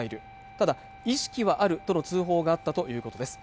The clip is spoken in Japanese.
ただ意識はあるとの通報があったということです